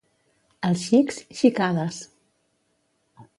Els xics, xicades.